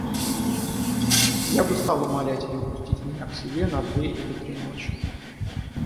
Я бы стал умолять ее пустить меня к себе на две или три ночи.